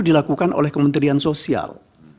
dilakukan oleh kementerian sosial